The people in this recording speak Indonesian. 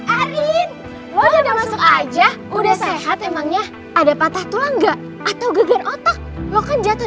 arin udah masuk aja udah sehat emangnya ada patah tulang gak atau geger otak lo kan jatuh